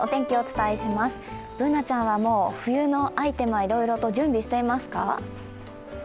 Ｂｏｏｎａちゃんはもう、冬のアイテムはもういろいろと準備していますか？